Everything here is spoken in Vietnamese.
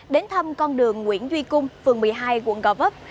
đến thăm con đường nguyễn duy cung phường một mươi hai quận gò vấp